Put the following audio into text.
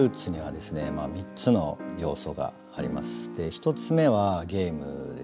１つ目はゲームですね。